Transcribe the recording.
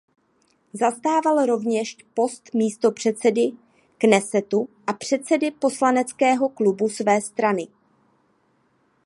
Zastával rovněž post místopředsedy Knesetu a předsedy poslaneckého klubu své strany.